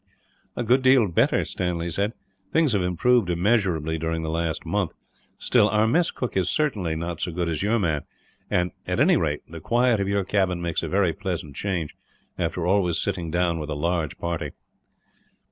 "A good deal better," Stanley said. "Things have improved immensely, during the last month; still our mess cook is certainly not so good as your man and, at any rate, the quiet of your cabin makes a very pleasant change, after always sitting down with a large party."